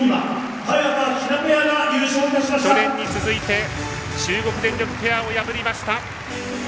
去年に続いて中国電力ペアを破りました。